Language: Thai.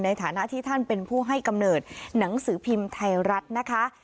ในฐานะที่ท่านเป็นผู้ให้กำเนิดหนังสือพิมพ์ไทยรัฐนะคะ